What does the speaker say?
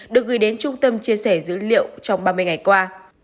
được gửi đến trung tâm chia sẻ dữ liệu trong ba mươi ngày qua